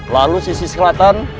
lalu sisi selatan